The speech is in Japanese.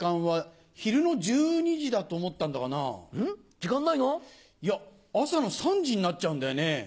時間ないの？いや朝の３時になっちゃうんだよね。